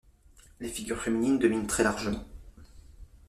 Les figures féminines dominent très largement.